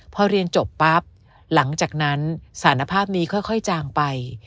พอเรียนจบปั๊บหลังจากนั้นสารภาพนี้ค่อยจางไป